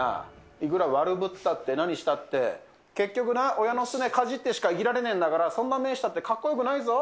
いくら悪ぶったって何したって、結局な、親のすねかじってしか生きられねーんだから、そんな目したってかっこよくないぞ。